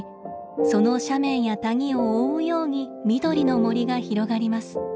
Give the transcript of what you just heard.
その斜面や谷を覆うように緑の森が広がります。